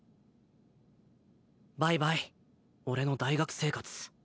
バイバイ俺の大学生活。